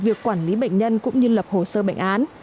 việc quản lý bệnh nhân cũng như lập hồ sơ bệnh án